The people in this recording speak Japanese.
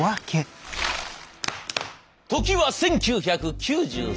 時は１９９３年。